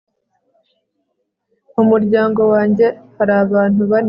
mu muryango wanjye hari abantu bane